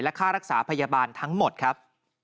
ค่ารักษาพยาบาลทั้งหมดครับ